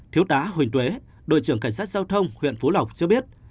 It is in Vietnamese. thiếu tá huỳnh tuế đội trưởng cảnh sát giao thông huyện phú lộc cho biết